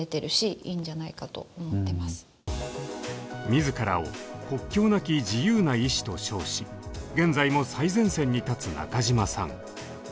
自らを「国境なき自由な医師」と称し現在も最前線に立つ中嶋さん。